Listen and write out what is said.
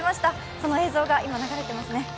その映像が今、流れていますね。